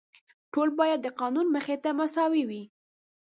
ټول باید د قانون مخې ته مساوي وي.